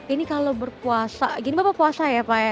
ini kalau berpuasa gini bapak puasa ya pak ya